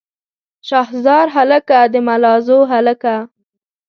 شاه زار هلکه د ملازو هلکه.